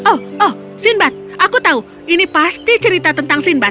oh oh sinbad aku tahu ini pasti cerita tentang sinbad